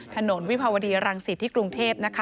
ถนนวิภาวดีรังสิตที่กรุงเทพฯ